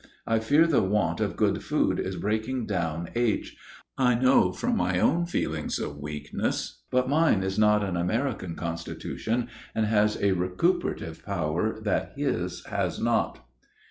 I fear the want of good food is breaking down H. I know from my own feelings of weakness, but mine is not an American constitution and has a recuperative power that his has not.